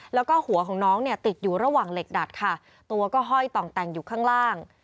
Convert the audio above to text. แล้วก็หัวของน้องเนี่ยติดอยู่ระหว่างเหล็กดัดค่ะตัวก็ห้อยต่องแต่งอยู่ข้างล่าง